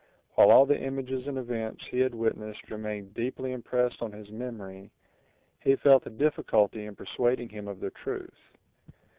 While all the images and events he had witnessed remained deeply impressed on his memory, he felt a difficulty in persuading him of their truth.